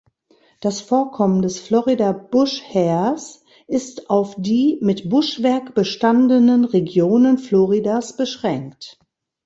Das Vorkommen des Florida-Buschhähers ist auf die mit Buschwerk bestandenen Regionen Floridas beschränkt.